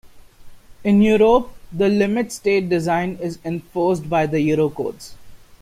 In Europe, the Limit State Design is enforced by the Eurocodes.